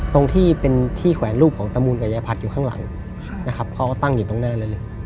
ตรงที่เป็นที่แขวนรูปของตะมูลกับยายพัฒน์อยู่ข้างหลังนะครับเขาก็ตั้งอยู่ตรงหน้าเลย